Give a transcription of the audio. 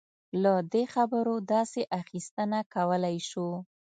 له دې خبرو داسې اخیستنه کولای شو.